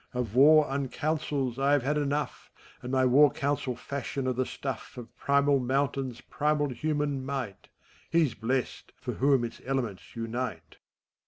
Of War Uncouncils I have had enough, And my War Council fashion of the stuff Of primal mountains' primal human might : He's blest, for whom its elements unite